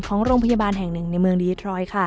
ของโรงพยาบาลแห่งหนึ่งในเมืองดีทรอยด์ค่ะ